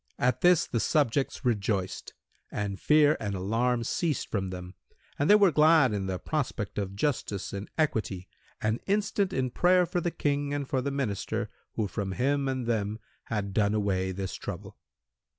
At this the subjects rejoiced and fear and alarm ceased from them and they were glad in the prospect of justice and equity and instant in prayer for the King and for the Minister who from him and them had done away this trouble.